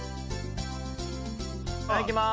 いただきます。